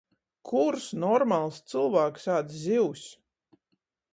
Kurs normals cylvāks ād zivs?